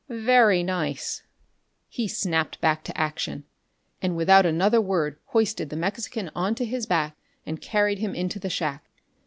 Very nice...." He snapped back to action, and without another word hoisted the Mexican onto his back and carried him into the shack.